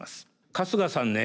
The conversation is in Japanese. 春日さんね